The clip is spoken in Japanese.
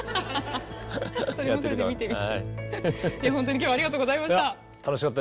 本当に今日はありがとうございました。